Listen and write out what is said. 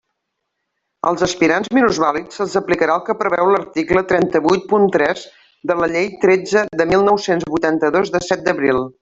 Als aspirants minusvàlids se'ls aplicarà el que preveu l'article trenta-vuit punt tres de la Llei tretze de mil nou-cents vuitanta-dos de set d'abril.